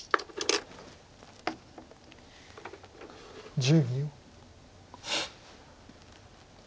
１０秒。